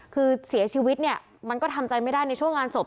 คือเสียชีวิตเนี่ยมันก็ทำใจไม่ได้ในช่วงงานศพ